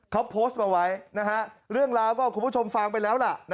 เขาโพสต์มาไว้เรื่องราวก็คุณผู้ชมฟังไปแล้วล่ะ